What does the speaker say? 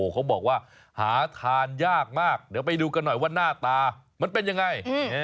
เขาบอกว่าหาทานยากมากเดี๋ยวไปดูกันหน่อยว่าหน้าตามันเป็นยังไง